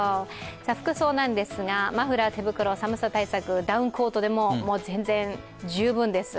服装なんですが、マフラー、手袋、寒さ対策、ダウンコートでも全然十分です。